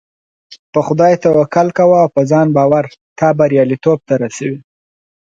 په خدای توکل کوه او په ځان باور تا برياليتوب ته رسوي .